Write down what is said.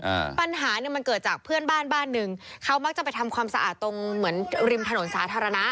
อ่าปัญหาเนี้ยมันเกิดจากเพื่อนบ้านบ้านหนึ่งเขามักจะไปทำความสะอาดตรงเหมือนริมถนนสาธารณะ